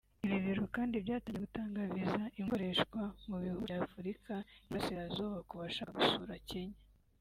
Ibi biro kandi byatangiye gutanga viza imwe ikoreshwa mu Bihugu by’Afurikaa y’Iburasirazuba ku bashaka gusura Kenya